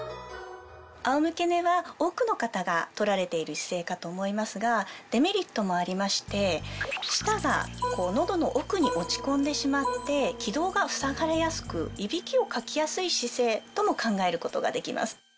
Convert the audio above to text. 仰向け寝は多くの方が取られている姿勢かと思いますがデメリットもありまして舌が喉の奥に落ち込んでしまって気道がふさがれやすくイビキをかきやすい姿勢とも考えることができます。